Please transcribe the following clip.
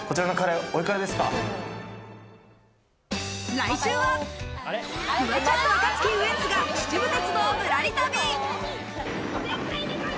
来週は、フワちゃん、若槻、ウエンツが秩父鉄道ぶらり旅。